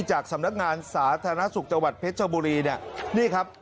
จากสำนักงานสาธารณสุขจังหวัดเพชรชบุรีเนี่ยนี่ครับ